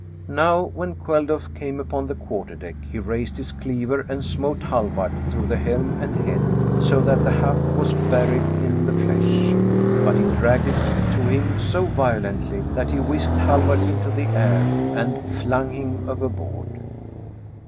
Now when Kveldulf came upon the quarter deck he raised his cleaver, and smote Hallvard through helm and head, so that the haft was buried in the flesh ; but he dragged it to him so violently that he whisked Hallvard into the air, and flung him overboard.